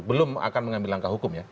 belum akan mengambil langkah hukum ya